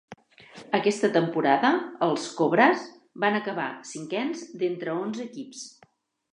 Aquesta temporada els Cobras van acabar cinquens d'entre onze equips.